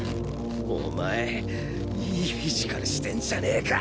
お前いいフィジカルしてんじゃねえか！